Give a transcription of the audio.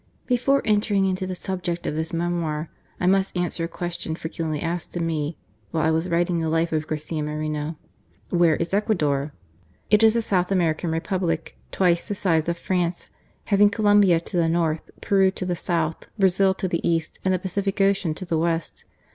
Before entering into the subject of this memoir I must answer a question frequently asked of me while I was writing the life of Garcia Moreno. " Where is Ecuador ?" It is a South American Republic, twice the size of France, having Colombia to the north, Peru to the south, Brazil to the east, and the Pacific Ocean to the west.